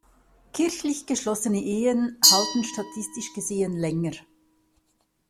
Kirchlich geschlossene Ehen halten statistisch gesehen länger.